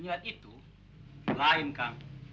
penjilat itu lain kang